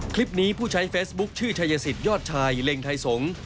คลิปนี้ผู้ใช้เฟสบุ๊คชื่อชายศิษฐ์ยอดชายเล็งไทยสงศ์